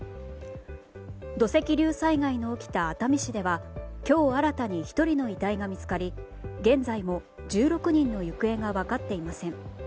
土石流災害の起きた熱海市では今日新たに１人の遺体が見つかり現在も１６人の行方が分かっていません。